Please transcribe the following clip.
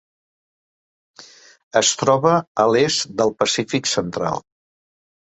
Es troba a l'est del Pacífic central.